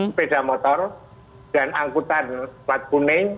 sepeda motor dan angkutan plat kuning